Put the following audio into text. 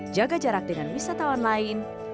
jaga jarak dengan wisatawan lain